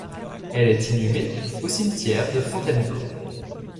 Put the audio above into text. Elle est inhumée au cimetière de Fontainebleau.